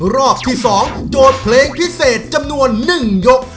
รอบที่๒โจทย์เพลงพิเศษจำนวน๑ยก